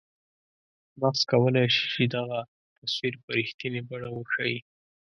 مغز کولای شي چې دغه تصویر په رښتنیې بڼه وښیي.